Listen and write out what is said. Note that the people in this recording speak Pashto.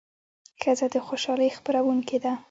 ښځه د خوشالۍ خپروونکې ده.